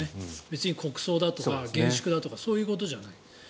別に国葬だとか厳粛だとかそういうことじゃない。